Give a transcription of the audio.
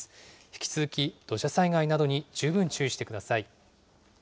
引き続き、土砂災害などに十分注意してください。